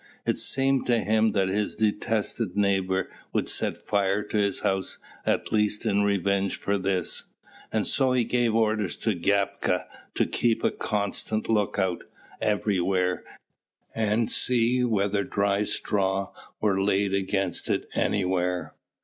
It seemed to him that his detested neighbour would set fire to his house at least in revenge for this; and so he gave orders to Gapka to keep a constant lookout, everywhere, and see whether dry straw were laid against it anywhere.